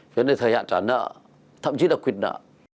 cho nên thời hạn trả nợ thậm chí là quyền nợ